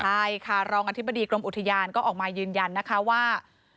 ใช่ค่ะรองอธิบดีกรมอุทยานก็ออกมายืนยันนะคะว่า